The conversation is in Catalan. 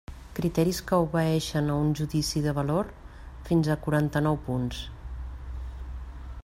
Criteris que obeeixen a un judici de valor: fins a quaranta-nou punts.